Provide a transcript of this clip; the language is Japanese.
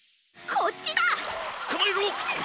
こっちだ！